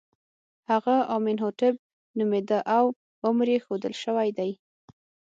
هغه امین هوټېپ نومېده او عمر یې ښودل شوی دی.